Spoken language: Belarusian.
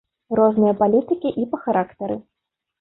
Розныя палітыкі і па характары.